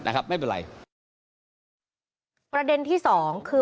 การให้ส่งวันนี้เขารับสารภาพก็โทรงที่เรา